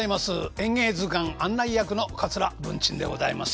「演芸図鑑」案内役の桂文珍でございます。